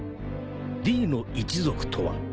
［「Ｄ」の一族とは］